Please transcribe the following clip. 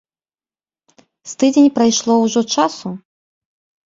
З тыдзень прайшло ўжо часу?